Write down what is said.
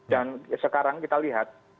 dan sekarang kita lihat